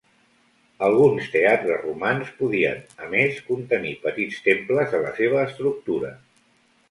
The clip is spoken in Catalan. Alguns teatres romans podien, a més, contenir petits temples a la seva estructura.